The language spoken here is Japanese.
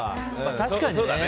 確かにね